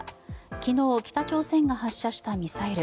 昨日、北朝鮮が発射したミサイル。